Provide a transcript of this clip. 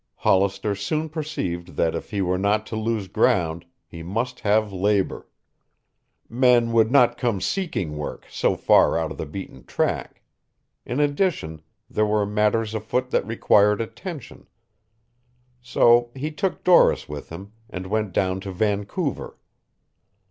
Hollister soon perceived that if he were not to lose ground he must have labor. Men would not come seeking work so far out of the beaten track. In addition, there were matters afoot that required attention. So he took Doris with him and went down to Vancouver.